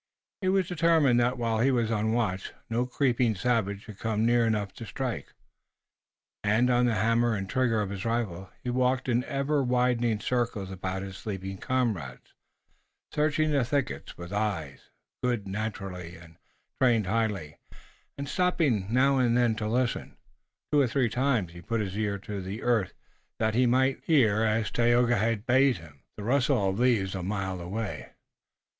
He was determined that, while he was on watch, no creeping savage should come near enough to strike. Hand on the hammer and trigger of his rifle he walked in an ever widening circle about his sleeping comrades, searching the thickets with eyes, good naturally and trained highly, and stopping now and then to listen. Two or three times he put his ear to the earth that he might hear, as Tayoga had bade him, the rustle of leaves a mile away.